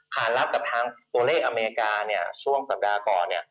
ลับกับทางตัวเลขอเมริกาช่วงสัปดาห์ก่อน